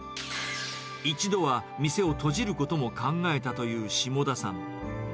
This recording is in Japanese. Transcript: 一度は店を閉じることも考えたという下田さん。